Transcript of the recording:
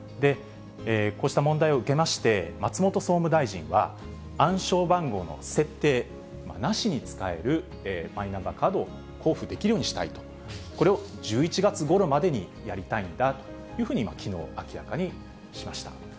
こうした問題を受けまして、松本総務大臣は、暗証番号の設定なしに使えるマイナンバーカードを交付できるようにしたいと、これを１１月ごろまでにやりたいんだというふうに、きのう、明らかにしました。